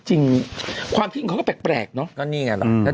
จริงความทิ้งเขาก็แปลกเนาะ